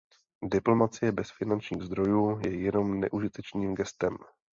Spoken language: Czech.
Diplomacie bez finančních zdrojů je jenom neužitečným gestem.